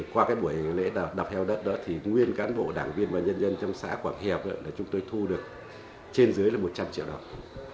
qua buổi lễ đập heo đất nguyên cán bộ đảng viên và nhân dân trong xã quảng hiệp chúng tôi thu được trên dưới một trăm linh triệu đồng